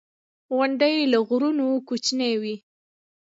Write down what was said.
• غونډۍ له غرونو کوچنۍ وي.